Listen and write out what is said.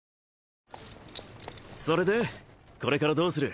それでこれからどうする？